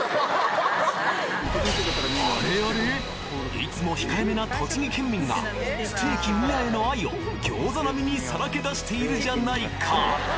いつも控えめな栃木県民がステーキ宮への愛を餃子並みにさらけ出しているじゃないか！